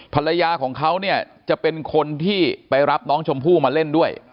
ภรรยาของเขาเนี่ยจะเป็นคนที่ไปรับน้องชมพู่มาเล่นด้วย